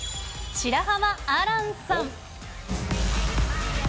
白濱亜嵐さん。